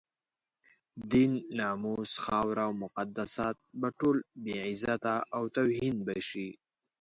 دين، ناموس، خاوره او مقدسات به ټول بې عزته او توهین به شي.